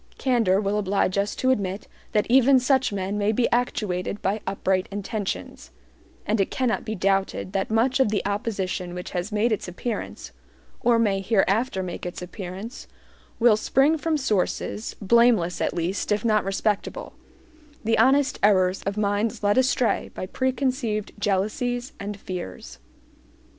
Candor will oblige us to admit that even such men may be actuated by upright intentions; and it cannot be doubted that much of the opposition which has made its appearance, or may hereafter make its appearance, will spring from sources, blameless at least, if not respectable the honest errors of minds led astray by preconceived jealousies and fears.